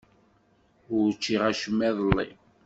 Ur ččiɣ acemma iḍelli.